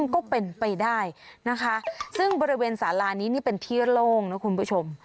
ก็เป็นไปได้นะคะซึ่งบริเวณสารานี้นี่เป็นที่โล่งนะคุณผู้ชม